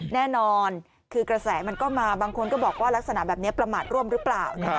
แน่นอนคือกระแสมันก็มาบางคนก็บอกว่าลักษณะแบบนี้ประมาทร่วมหรือเปล่า